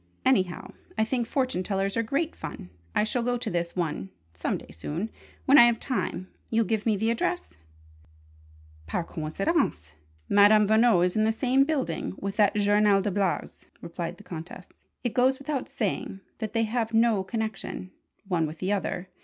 Anyhow, I think fortune tellers are great fun! I shall go to this one some day soon: when I have time. You'll give me the address?" "Par coincidence, Madame Veno is in the same building with that journal des blagues," replied the Countess. "It goes without saying that they have no connection, one with the other.